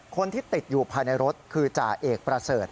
คนที่ติดอยู่ภายในรถคือจ่าเอกประเสริฐ